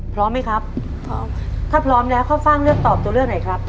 พร้อมไหมครับพร้อมถ้าพร้อมแล้วข้าวฟ่างเลือกตอบตัวเลือกไหนครับ